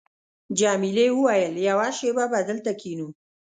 جميلې وويل:، یوه شېبه به دلته کښېنو.